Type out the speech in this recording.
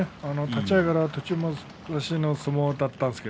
立ち合いから栃武蔵の相撲でした。